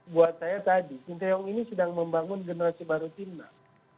buat saya tadi sinteyong ini sedang membangun generasi baru timnas